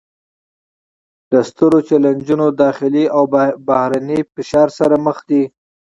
له سترو چلینجونو داخلي او بهرني فشار سره مخ دي